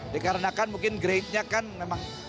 dikarenakan mungkin grade nya kan memang